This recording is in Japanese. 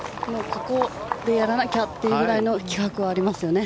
ここでやらなきゃというぐらいの気迫がありますよね。